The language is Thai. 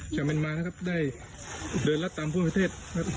จะมันมานะครับได้เดินละตามพวกประเทศ